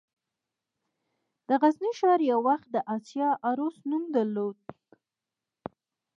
د غزني ښار یو وخت د «د اسیا عروس» نوم درلود